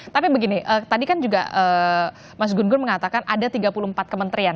tapi begini tadi kan juga mas gun gun mengatakan ada tiga puluh empat kementerian